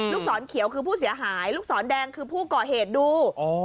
ศรเขียวคือผู้เสียหายลูกศรแดงคือผู้ก่อเหตุดู